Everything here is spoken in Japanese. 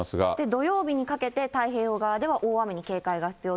土曜日にかけて太平洋側では大雨に警戒が必要。